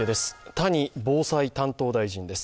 谷防災担当大臣です。